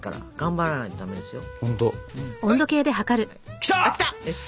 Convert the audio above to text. きた！